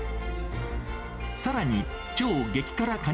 さらに超激辛カニ